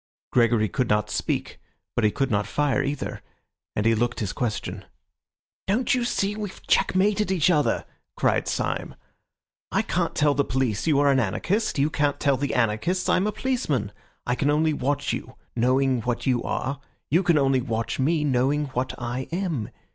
Gregory could not speak, but he could not fire either, and he looked his question. "Don't you see we've checkmated each other?" cried Syme. "I can't tell the police you are an anarchist. You can't tell the anarchists I'm a policeman. I can only watch you, knowing what you are; you can only watch me, knowing what I am.